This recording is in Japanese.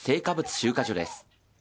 集荷所です。